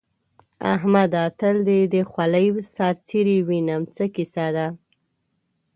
احمده! تل دې د خولۍ سر څيرې وينم؛ څه کيسه ده؟